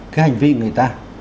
cái hành vi người ta